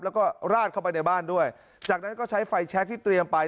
แล้วก็ราดเข้าไปในบ้านด้วยจากนั้นก็ใช้ไฟแชคที่เตรียมไป